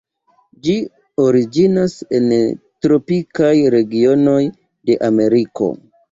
Ĝi originas en tropikaj regionoj de Ameriko.